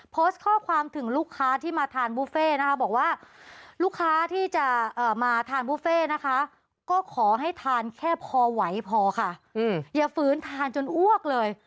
โพสต์ข้อความถึงลูกค้าที่มาทานบุฟเฟ่นะคะบอกว่าลูกค้าที่จะมาทานบุฟเฟ่นะคะก็ขอให้ทานแค่พอไหวพอค่ะอย่าฟื้นทานจนอ้วกเลย